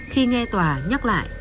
khi nghe tòa nhắc lại